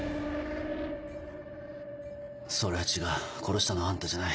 それは違う殺したのはあんたじゃない。